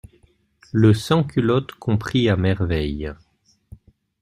Le sans-culotte comprit à merveille.